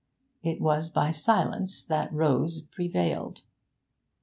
It was by silence that Rose prevailed.